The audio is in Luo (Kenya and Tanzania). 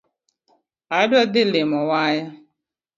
Adwa dhi limo waya.